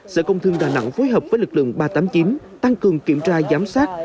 sở công thương đà nẵng phối hợp với lực lượng ba trăm tám mươi chín tăng cường kiểm tra giám sát